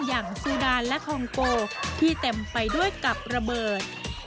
อย่างซูดานและคองโกที่เต็มไปด้วยกับระเบิด